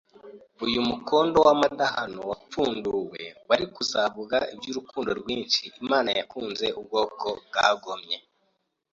uyu mukondo w'amadahano wapfunduwe wari kuzavuga iby'urukundo rwinshi Imana yakunze ubwoko bwagomye.